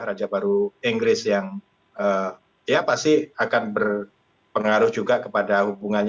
raja baru inggris yang ya pasti akan berpengaruh juga kepada hubungannya